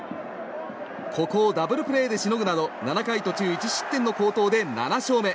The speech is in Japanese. ここをダブルプレーでしのぐなど７回途中１失点の好投で７勝目。